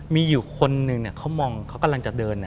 มีอยู่คนนึงเขามองเขากำลังจะเดิน